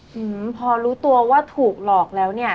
อืมพอรู้ตัวว่าถูกหลอกแล้วเนี่ย